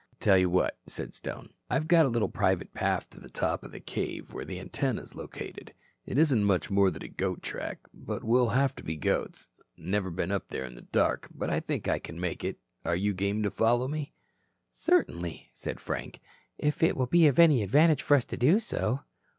"Tell you what," said Stone, "I've got a little private path to the top of the cave where the antenna is located. It isn't much more than a goat track. But we'll have to be goats. Never been up it in the dark, but I think I can make it. Are you game to follow me?" "Certainly," said Frank, "if it will be of any advantage for us to do so."